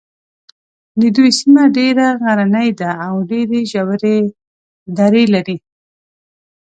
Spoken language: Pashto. د دوی سیمه ډېره غرنۍ ده او ډېرې ژورې درې لري.